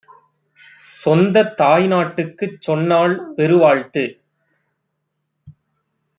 சொந்தத் தாய்நாட்டுக்குச் சொன்னாள் பெருவாழ்த்து.